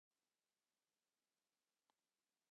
Roedd yna luniau ar y waliau.